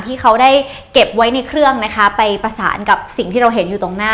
ที่เขาได้เก็บไว้ในเครื่องนะคะไปประสานกับสิ่งที่เราเห็นอยู่ตรงหน้า